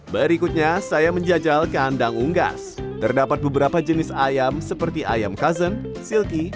berikutnya saya menjajal kandang unggas terdapat beberapa jenis ayam seperti ayam custon silki